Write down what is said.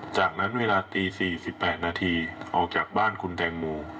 จากนั้นเวลาตี๔๘นาทีออกจากบ้านคุณแตงโม